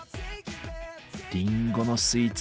りんごのスイーツ